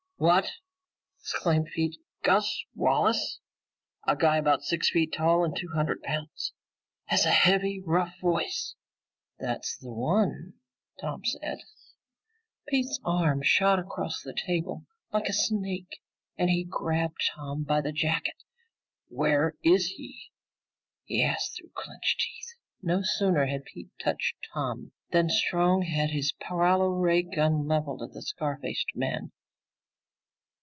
"What?" exclaimed Pete. "Gus Wallace? A guy about six feet tall and two hundred pounds? Has a heavy rough voice?" "That's the one," said Tom. Pete's arm shot across the table like a snake and he grabbed Tom by the jacket. "Where is he?" he asked through clenched teeth. No sooner had Pete touched Tom than Strong had his paralo ray gun leveled at the scar faced man.